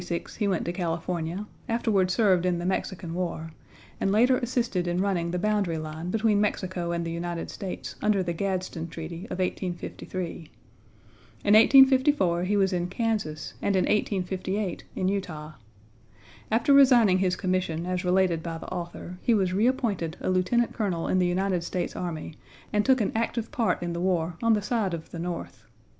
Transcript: In 1846 he went to California, afterward served in the Mexican War, and later assisted in running the boundary line between Mexico and the United States under the Gadsden Treaty of 1853. In 1854 he was in Kansas and in 1858 in Utah. After resigning his commission, as related by the author, he was reappointed a Lieutenant Colonel in the United States Army and took an active part in the war on the side of the North.